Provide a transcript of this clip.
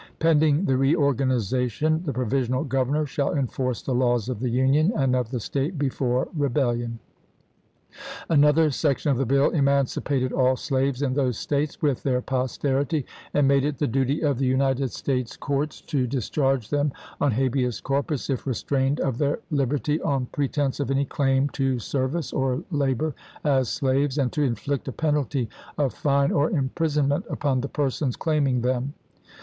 Pending the reor ganization, the provisional governor shall enforce the laws of the Union, and of the State before re bellion. Another section of the bill emancipated all slaves in those States, with their posterity, and made it the duty of the United States courts to THE WADE DAVIS MANIFESTO 117 discharge them on habeas corpus if restrained of chap. v. their liberty on pretense of any claim to service or labor as slaves, and to inflict a penalty of fine or imprisonment upon the persons claiming them.